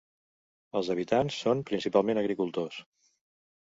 Els habitants són principalment agricultors.